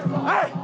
はい！